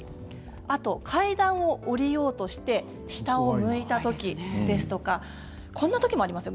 あと階段を下りようとして下を向いた時ですとかこんな時もありますよ。